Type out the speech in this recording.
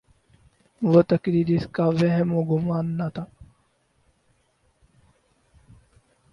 وہ تقریر جس کا وہم و گماں نہ تھا۔